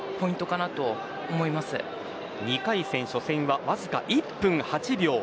２回戦初戦はわずか１分８秒。